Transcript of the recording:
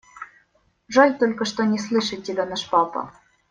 Жаль только, что не слышит тебя наш папа.